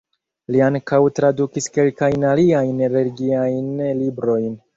Li ankaŭ tradukis kelkajn aliajn religiajn librojn.